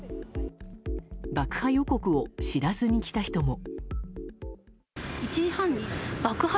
爆破予告を知らずに来た人も。